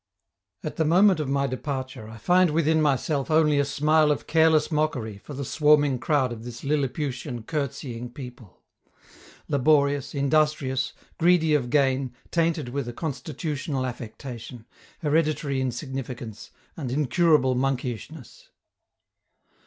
At the moment of my departure, I find within myself only a smile of careless mockery for the swarming crowd of this Lilliputian curtseying people laborious, industrious, greedy of gain, tainted with a constitutional affectation, hereditary insignificance, and incurable monkeyishness.